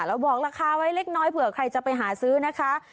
เราบอกราคาไว้เล็กน้อยเผื่อใครจะไปหาซื้อนะคะ